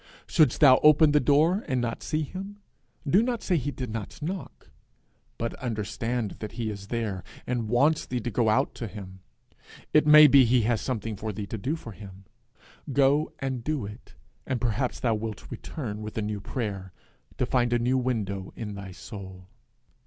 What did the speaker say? Shouldst thou open the door and not see him, do not say he did not knock, but understand that he is there, and wants thee to go out to him. It may be he has something for thee to do for him. Go and do it, and perhaps thou wilt return with a new prayer, to find a new window in thy soul.